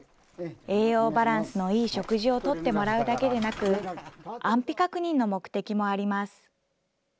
栄養バランスのいい食事をとってもらうだけでなく、安否確認の目的もあります。